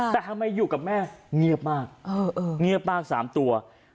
แต่ทำไมอยู่กับแม่เงียบมาก๓ตัว